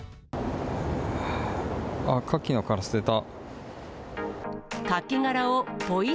あっ、カキの殻、捨てた。